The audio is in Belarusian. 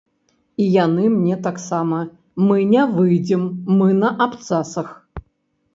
І яны мне таксама, мы не выйдзем, мы на абцасах.